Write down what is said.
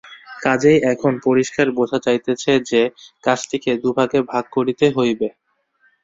কাজেই এখন পরিষ্কার বোঝা যাইতেছে যে, কাজটিকে দু-ভাগে ভাগ করিতে হইবে।